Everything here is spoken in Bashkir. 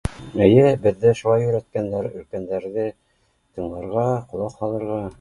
Эйе беҙҙе шулай өйрәткәндәр өлкәндәрҙе тыңларға, ҡолаҡ һалырға